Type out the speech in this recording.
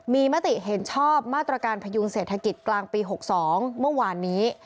มีมติเห็นชอบมาตรการพยุงเศรษฐกิจกลางปี๖๒เมื่อวานนี้